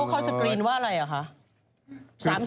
เขาสกรีนว่าอะไรเหรอคะ